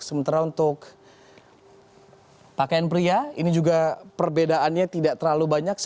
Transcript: sementara untuk pakaian pria ini juga perbedaannya tidak terlalu banyak